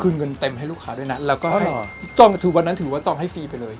ส่วนลูกค้าด้วยนะจองวันนั้นถือว่าจองให้ฟรีไปเลย